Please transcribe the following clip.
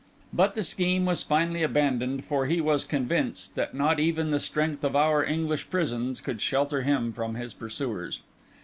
But the scheme was finally abandoned, for he was convinced that not even the strength of our English prisons could shelter him from his pursuers.